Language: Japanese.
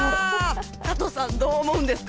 加藤さん、どう思うんですか？